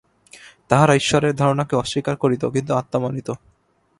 তাহারা ঈশ্বরের ধারণাকে অস্বীকার করিত, কিন্তু আত্মা মানিত।